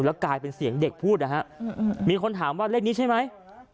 แล้วกลายเป็นเสียงเด็กพูดนะฮะมีคนถามว่าเลขนี้ใช่ไหม